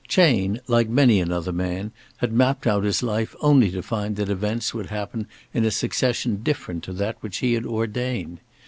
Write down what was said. Chayne, like many another man, had mapped out his life only to find that events would happen in a succession different to that which he had ordained.